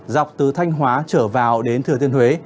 dọc từ thanh hóa trở vào đến thừa thiên huế